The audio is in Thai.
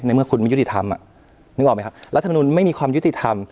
เมื่อคุณไม่ยุติธรรมนึกออกไหมครับรัฐมนุนไม่มีความยุติธรรม